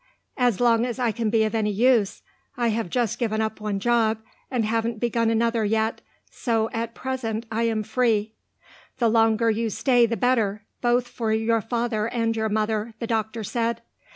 "As long as I can be any use. I have just given up one job and haven't begun another yet, so at present I am free." "The longer you stay the better, both for your father and your mother," the doctor said.